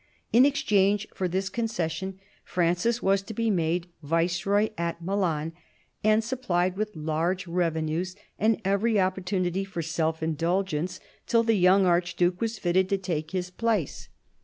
In exchange for this concession, Francis was to be made viceroy at Milan, and supplied with large revenues and every opportunity for self indulgence, till the young archduke was fitted to take his place.